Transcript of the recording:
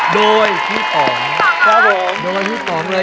โดยพี่ป๋องเลย